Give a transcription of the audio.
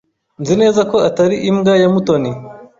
Nzi neza ko atari imbwa ya Mutoni.